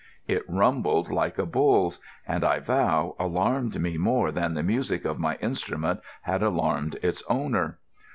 It rumbled like a bull's and, I vow, alarmed me more than the music of my instrument had alarmed its owner.